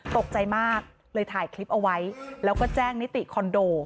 ตกใจมากเลยถ่ายคลิปเอาไว้แล้วก็แจ้งนิติคอนโด